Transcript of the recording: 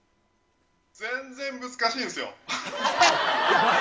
全然難しいんですよ。